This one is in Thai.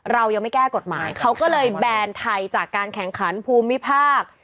เรายังไม่แก้กฎหมายเขาก็เลยแบนไทยจากการแข่งขันภูมิภาค